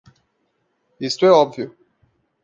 Isto é óbvio.